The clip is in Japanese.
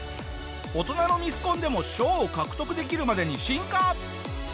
大人のミスコンでも賞を獲得できるまでに進化！